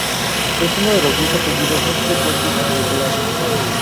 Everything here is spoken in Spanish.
Es uno de los diez apellidos más frecuentes en Irlanda.